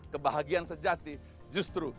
kebahagiaan sejati justru